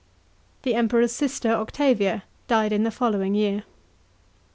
* The Emperor's sister Octavia died in the following year.